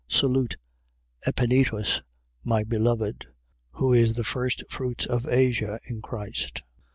Salute Epenetus, my beloved: who is the firstfruits of Asia in Christ.